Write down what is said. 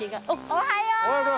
・おはよう！